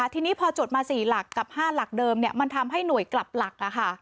ทีนี้พอจดมา๔หลักกับ๕หลักเดิมมันทำให้หน่วยกลับหลัก